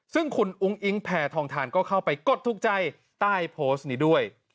ซึ่งคุณอุ้งอิ๊งแพทองทานก็เข้าไปกดถูกใจใต้โพสต์นี้ด้วย